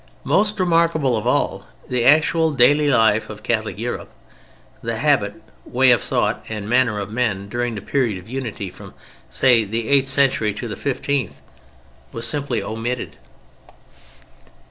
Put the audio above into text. Most remarkable of all, the actual daily life of Catholic Europe, the habit, way of thought and manner of men, during the period of unity—from, say, the eighth century to the fifteenth—was simply omitted!